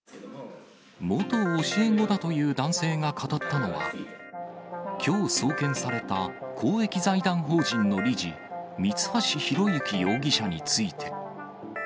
元教え子だという男性が語ったのは、きょう送検された、公益財団法人の理事、三橋裕之容疑者について。